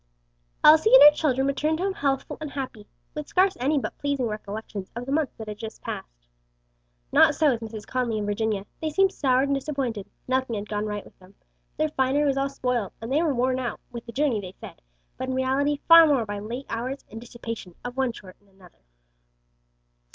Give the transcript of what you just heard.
Elsie and her children returned home healthful and happy, with scarce any but pleasing recollections of the months that had just passed. Not so with Mrs. Conly and Virginia. They seemed soured and disappointed; nothing had gone right with them; their finery was all spoiled, and they were worn out with the journey they said, but in reality far more by late hours and dissipation of one sort and another.